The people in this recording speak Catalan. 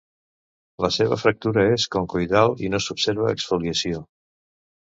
La seva fractura és concoidal i no s'observa exfoliació.